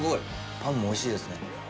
パンもおいしいですね。